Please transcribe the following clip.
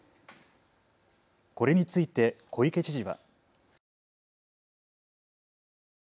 これについて小池知事は。